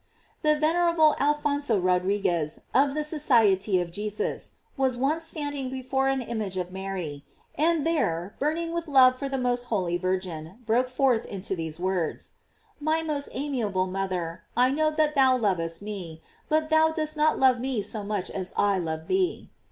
* The venerable Alphonso Rodriguez, of the Society of Jesus, was once standing before an image of Mary; and there burning with love for the most holy Virgin, broke forth into these words: "My most amiable mother, I know that thou lovest me, but thou dost not love me so much as I love thee."